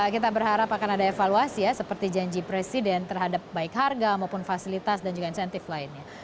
kita berharap akan ada evaluasi ya seperti janji presiden terhadap baik harga maupun fasilitas dan juga insentif lainnya